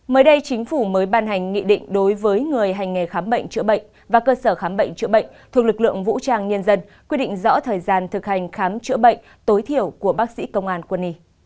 mới đây chính phủ mới ban hành nghị định đối với người hành nghề khám bệnh chữa bệnh và cơ sở khám bệnh chữa bệnh thuộc lực lượng vũ trang nhân dân quy định rõ thời gian thực hành khám chữa bệnh tối thiểu của bác sĩ công an quân y